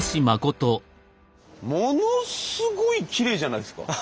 ものすごいきれいじゃないですか。